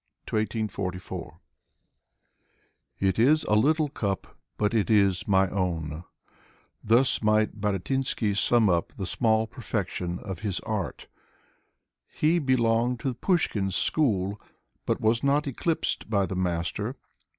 Yevgeny Baratynsky (1800 1844) " It is a little cup, but it is my own/' thus might Baratynsky sum up the small perfection of his art. He belonged to Pushkin's school, but was not eclipsed by the master.